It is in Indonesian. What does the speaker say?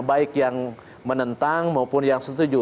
baik yang menentang maupun yang setuju